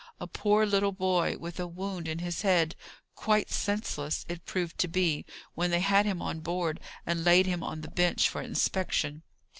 A poor little boy, with a wound in his head, quite senseless, it proved to be, when they had him on board and laid him on the bench for inspection.